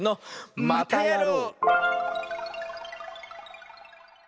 またやろう！